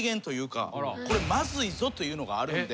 「これまずいぞ」というのがあるんで。